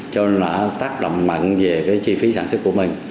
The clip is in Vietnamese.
cho nên là tác động mạnh về cái chi phí sản xuất của mình